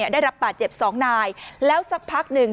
ได้รับบาดเจ็บ๒นายแล้วสักพักหนึ่ง